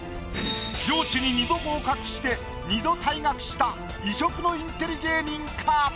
上智に２度合格して２度退学した異色のインテリ芸人か？